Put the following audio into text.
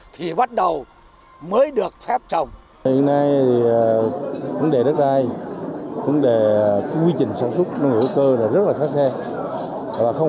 thì bắt đầu mới được phép trồng